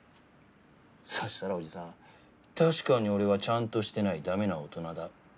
そしたら伯父さん確かに俺はちゃんとしてない駄目な大人だ。